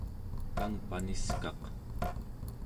kangpaniskaq